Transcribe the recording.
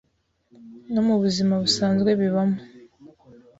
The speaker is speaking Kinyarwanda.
no mu buzima busanzwe bibamo